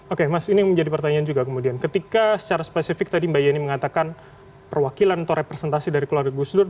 oke mas ini yang menjadi pertanyaan juga kemudian ketika secara spesifik tadi mbak yeni mengatakan perwakilan atau representasi dari keluarga gus dur